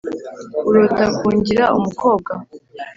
urota kungira umukobwa